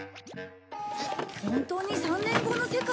本当に３年後の世界？